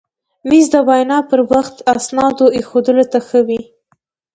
مېز د وینا پر وخت اسنادو ایښودلو ته ښه وي.